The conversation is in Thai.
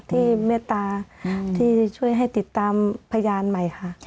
เมตตาที่ช่วยให้ติดตามพยานใหม่ค่ะ